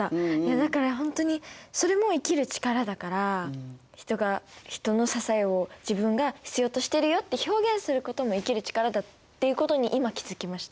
だからほんとにそれも生きる力だから人が人の支えを自分が必要としてるよって表現することも生きる力だっていうことに今気付きました。